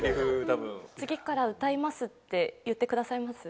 多分次から「歌います」って言ってくださいます？